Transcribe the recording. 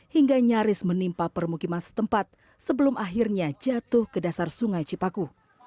hingga nyaris menimpa permukiman setempat sebelum akhirnya jatuh ke dasar sungai cipaku